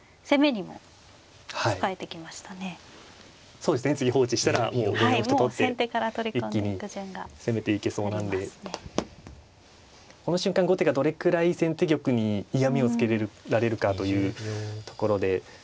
そうですね次放置したらもう５四歩と取って一気に攻めていけそうなんでこの瞬間後手がどれくらい先手玉に嫌みをつけられるかというところで。